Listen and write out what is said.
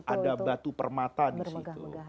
ada batu permata di situ